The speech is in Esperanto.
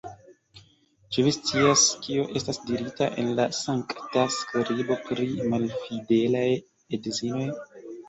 Ĉu vi scias, kio estas dirita en la Sankta Skribo pri malfidelaj edzinoj?